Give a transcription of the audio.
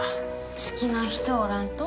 好きな人おらんと？